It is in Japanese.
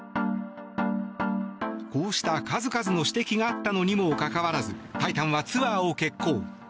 こうした数々の指摘があったのにもかかわらず「タイタン」はツアーを決行。